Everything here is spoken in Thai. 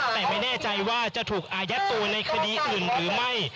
แต่ไม่แน่ใจว่าจะถูกอายัดตัวในคดีอื่นหรือไม่